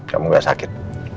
kamu gak sakit